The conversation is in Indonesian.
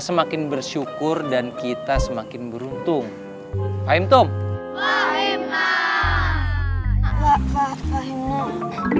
semakin bersyukur dan kita semakin beruntung haimtum wahimah